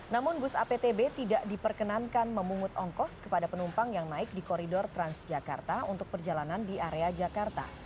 namun bus aptb tidak diperkenankan memungut ongkos kepada penumpang yang naik di koridor transjakarta untuk perjalanan di area jakarta